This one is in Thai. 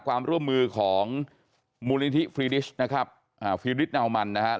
ความร่วมมือของมูลนิธิฟรีดิชนะครับอ่าฟีริสนาวมันนะครับ